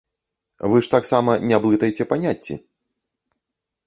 Вы ж таксама не блытайце паняцці.